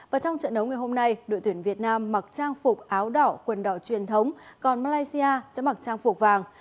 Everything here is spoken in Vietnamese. và trong trận đấu ngày hôm nay đội tuyển việt nam mặc trang phục áo đỏ quần đảo truyền thống còn malaysia sẽ mặc trang phục vàng